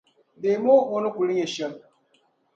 Deemi o o ni kuli nyɛ shɛm.